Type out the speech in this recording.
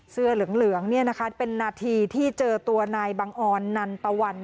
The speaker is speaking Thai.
เสื้อเหลืองเหลืองเนี่ยนะคะเป็นนาทีที่เจอตัวนายบังอวร